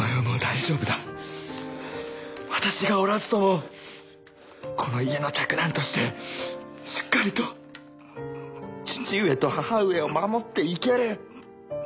私がおらずともこの家の嫡男としてしっかりと父上と母上を守っていける。